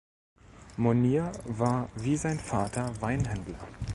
Monier war wie sein Vater Weinhändler.